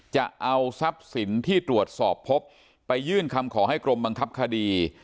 จะเอาทรัพย์สินที่ตรวจสอบพบไปยื่นคำขอให้กรมบังคับคดี